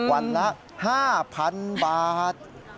วันละ๕๐๐๐บาท